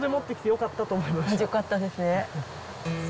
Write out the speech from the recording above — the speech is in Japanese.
よかったですね。